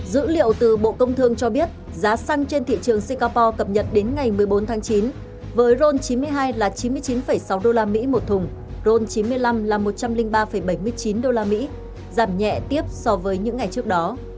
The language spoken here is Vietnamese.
dữ liệu từ bộ công thương cho biết giá xăng trên thị trường singapore cập nhật đến ngày một mươi bốn tháng chín với ron chín mươi hai là chín mươi chín sáu usd một thùng ron chín mươi năm là một trăm linh ba bảy mươi chín usd giảm nhẹ tiếp so với những ngày trước đó